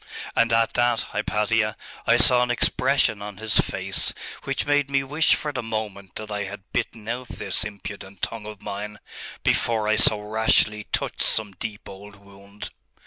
And at that, Hypatia, I saw an expression on his face which made me wish for the moment that I had bitten out this impudent tongue of mine, before I so rashly touched some deep old wound....